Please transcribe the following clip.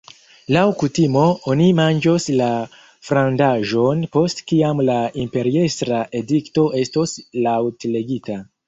Laŭ kutimo oni manĝos la frandaĵon post kiam la imperiestra edikto estos laŭtlegita.